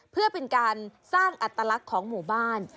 เพื่อเป็นการสร้างอัตลักษณ์ของหมู่บ้าน